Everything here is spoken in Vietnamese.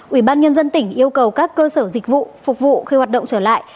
ủy ban nhân dân tỉnh yêu cầu các cơ sở dịch vụ phục vụ khi hoạt động trở lại